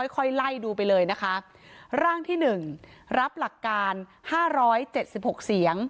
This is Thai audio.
ค่อยไล่ดูไปเลยนะคะร่างที่๑รับหลักการ๕๗๖เสียง